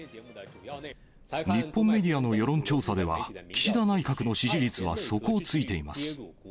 日本メディアの世論調査では、岸田内閣の支持率は底をついています。